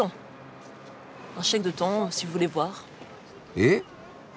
えっ？